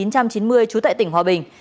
trú tại tỉnh hòa bình